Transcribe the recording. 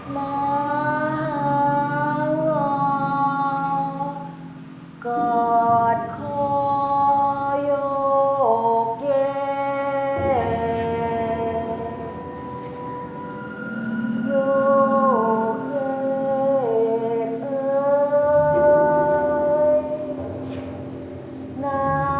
มาหลอกกอดคอยกเยโลกเอกเอ้ยน้ำถวงเม